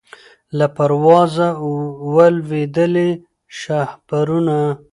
له پروازه وه لوېدلي شهپرونه